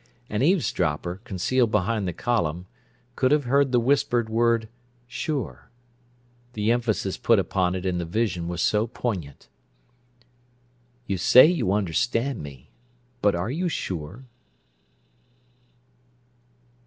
An eavesdropper, concealed behind the column, could have heard the whispered word "sure," the emphasis put upon it in the vision was so poignant. "You say you understand me, but are you sure?"